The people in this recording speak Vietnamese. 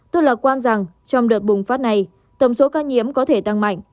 tôi lạc quan rằng trong đợt bùng phát này tầm số ca nhiễm có thể tăng mạnh